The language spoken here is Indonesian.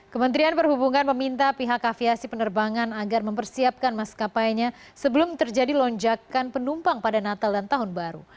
kementerian perhubungan meminta pihak aviasi penerbangan agar mempersiapkan maskapainya sebelum terjadi lonjakan penumpang pada natal dan tahun baru